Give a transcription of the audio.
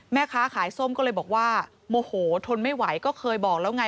แม่ค้าขายส้มก็เลยบอกว่าโมโหทนไม่ไหวก็เคยบอกแล้วไง